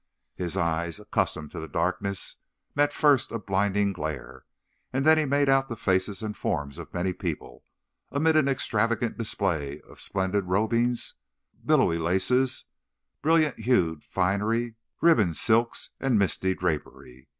His eye, accustomed to the darkness, met first a blinding glare, and then he made out the faces and forms of many people, amid an extravagant display of splendid robings—billowy laces, brilliant hued finery, ribbons, silks and misty drapery.